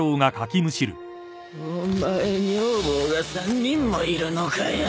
お前女房が３人もいるのかよ。